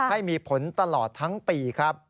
ให้มีผลตลอดทั้งปีครับ